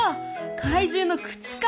怪獣の口か。